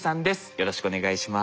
よろしくお願いします。